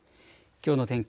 きょうの天気。